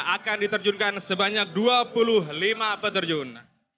akan diterjunkan sebanyak dua puluh lima peterjun